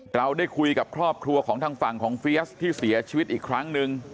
เราได้คุยกับครอบครัวของทางฝั่งของเฟียสที่เสียชีวิตอีกครั้งหนึ่ง